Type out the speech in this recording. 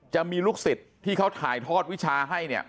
จะมีลูกศิษย์ที่เขาถ่ายทอดวิชาให้เนี่ย